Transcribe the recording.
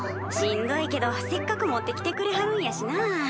しんどいけどせっかく持ってきてくれはるんやしな。